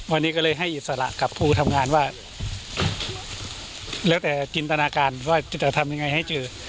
วันนี้ก็เลยให้อิสระกับผู้ทำงานว่าแล้วแต่จินตนาการว่าจะทำยังไงให้เจอ